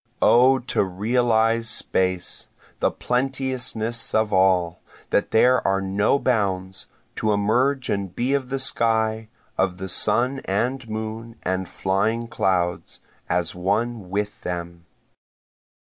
O to realize space! The plenteousness of all, that there are no bounds, To emerge and be of the sky, of the sun and moon and flying clouds, as one with them.